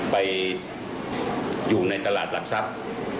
ไปอยู่ในตลาดหลักทรัพย์